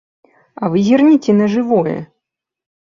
А вы зірніце на жывое.